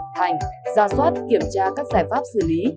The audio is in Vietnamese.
thành ra soát kiểm tra các giải pháp xử lý